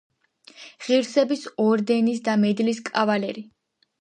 ღირსების ორდენის და მედლის კავალერი.